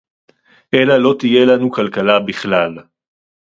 אלא לא תהיה לנו כלכלה בכלל